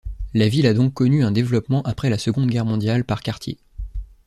La ville a donc connu un développement après la seconde guerre mondiale par quartier.